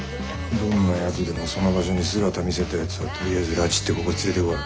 どんなやつでもその場所に姿見せたやつはとりあえず拉致ってここに連れてこい。